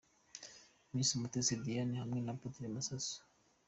Miss Umutesi Diane hamwe na Apotre Masasu.